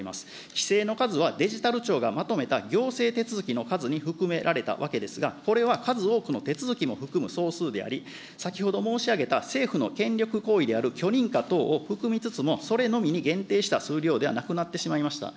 規制の数はデジタル庁がまとめた行政手続きの数に含められたわけですが、これは数多くの手続きを含む総数であり、先ほど申し上げた、政府の権力行為である許認可等を含みつつも、それのみに限定した数量ではなくなってしまいました。